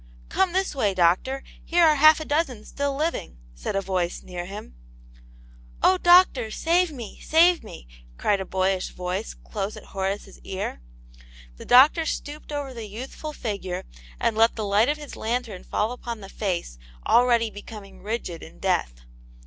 "Come this way, doctor, here are half a dozen still living," said a voice near him. " Oh, doctor, save me, save me !cried a boyish voice close at Horace's ear. The doctor stooped over the youthful figure, and let the light of his lantern fall upon the face already becoming rigid in death.